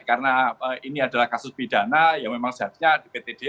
karena ini adalah kasus pidana yang memang sehatnya di ptd